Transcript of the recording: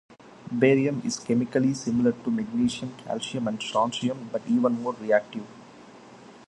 Barium is chemically similar to magnesium, calcium, and strontium, but even more reactive.